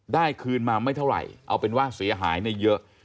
คืนมาไม่เท่าไหร่เอาเป็นว่าเสียหายเยอะ